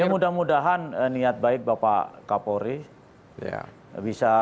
ya mudah mudahan niat baik bapak kapolri bisa